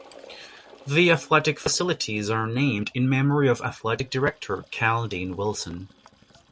The Athletic Facilities are named in memory of Athletic Director Cal Dean Wilson.